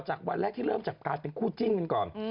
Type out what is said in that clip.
วันแรกที่เริ่มจากการเป็นคู่จิ้นกันก่อน